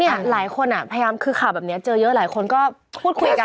หลายคนพยายามคือข่าวแบบนี้เจอเยอะหลายคนก็พูดคุยกัน